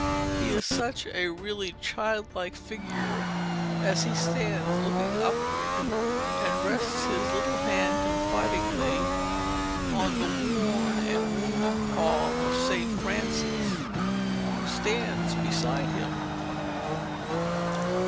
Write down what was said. He is such a really childlike figure as he stands looking upward and rests his little hand confidingly on the worn and wounded palm of St. Francis, who stands beside him.